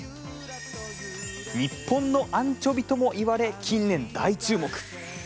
日本のアンチョビともいわれ近年、大注目。